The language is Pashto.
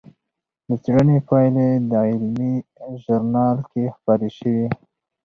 د څېړنې پایلې د علمي ژورنال کې خپرې شوې.